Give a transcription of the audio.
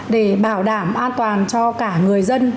để bảo đảm an toàn cho cả người dân